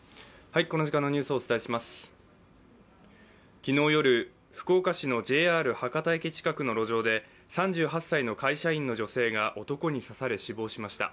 昨日夜、福岡市のＪＲ博多駅近くの路上で３８歳の会社員の女性が男に刺され死亡しました。